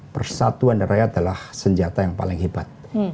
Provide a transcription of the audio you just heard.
persatuan rakyat adalah senjata yang paling hebat